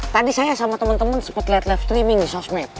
tadi saya sama temen temen sempet liat live streaming di sosmed